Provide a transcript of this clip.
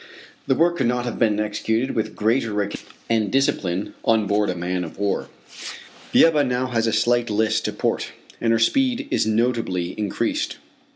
The work could not have been executed with greater regularity and discipline on board a man of war. The Ebba now has a slight list to port, and her speed is notably increased.